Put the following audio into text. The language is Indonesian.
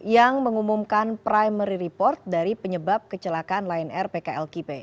yang mengumumkan primary report dari penyebab kecelakaan lion air pkl kipe